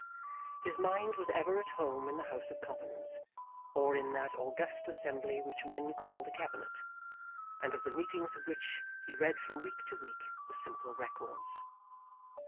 His mind was ever at home in the House of Commons, or in that august assembly which men call the Cabinet, and of the meetings of which he read from week to week the simple records.